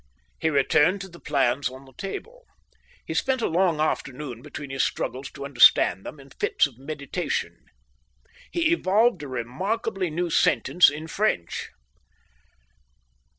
He returned to the plans on the table. He spent a long afternoon between his struggles to understand them and fits of meditation. He evolved a remarkable new sentence in French.